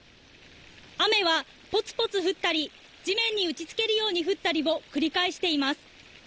雨はぽつぽつ降ったり地面に打ちつけるように降ったりを繰り返しています。